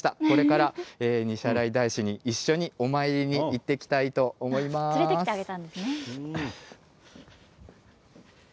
これから西新井大師に一緒にお参りに行ってきたいと思います。